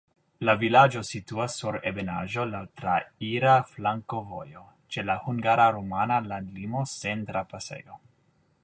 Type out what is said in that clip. La vilaĝo situas sur ebenaĵo, laŭ traira flankovojo, ĉe la hungara-rumana landlimo sen trapasejo.